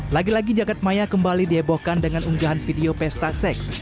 lagi lagi jagadmaya kembali diebohkan dengan unggahan video pesta seks